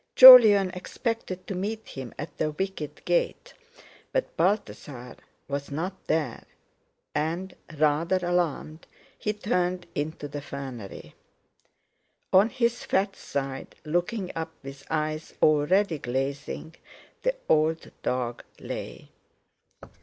Jolyon expected to meet him at the wicket gate, but Balthasar was not there, and, rather alarmed, he turned into the fernery. On his fat side, looking up with eyes already glazing, the old dog lay.